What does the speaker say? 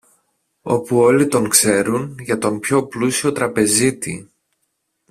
όπου όλοι τον ξέρουν για τον πιο πλούσιο τραπεζίτη.